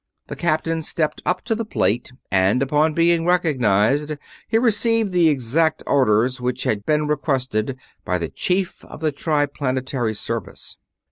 The captain stepped up to the plate and, upon being recognized, he received the exact orders which had been requested by the Chief of the Triplanetary Service.